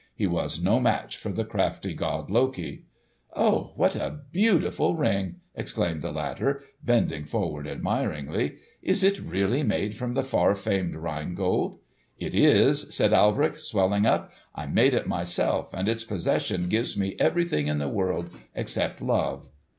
He was no match for the crafty god Loki. "Oh, what a beautiful ring!" exclaimed the latter, bending forward admiringly. "Is it really made from the far famed Rhine Gold?" "It is," said Alberich, swelling up. "I made it myself, and its possession gives me everything in the whole world except love."